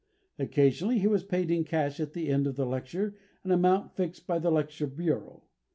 Occasionally he was paid in cash at the end of the lecture an amount fixed by the lecture bureau.